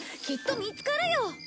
きっと見つかるよ！